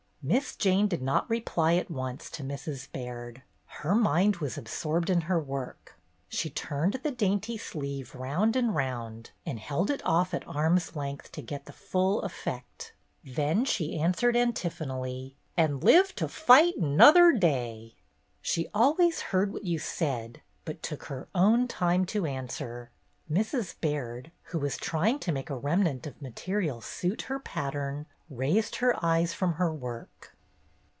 Miss Jane did not reply at once to Mrs. Baird. Her mind was absorbed in her work. She turned the dainty sleeve round and round and held it off at arm's length to get the full effect. Then she answered antiphonally : THE GOODS AND THE PATTERN 209 "An' live to fight 'nother day." She always heard what you said, but took her own time to answer. Mrs. Baird, who was trying to make a remnant of material suit her pattern, raising her eyes from her work.